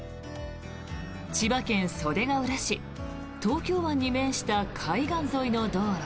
千葉県袖ケ浦市東京湾に面した海岸沿いの道路。